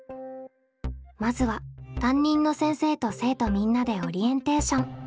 まずは担任の先生と生徒みんなでオリエンテーション。